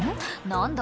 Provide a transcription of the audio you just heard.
何だ